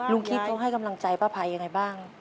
ลูกคิดต้องให้กำลังใจพ่อภัยยังไงบ้าง